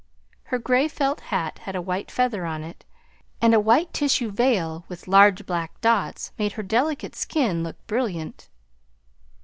Her gray felt hat had a white feather on it, and a white tissue veil with large black dots made her delicate skin look brilliant.